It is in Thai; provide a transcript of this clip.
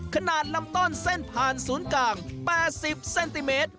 ขนาดลำต้นเส้นผ่านศูนย์กลาง๘๐เซนติเมตร